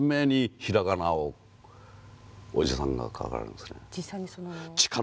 平仮名をおじさんが書かれるんですね。